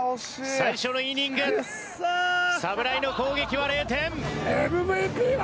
最初のイニング侍の攻撃は０点。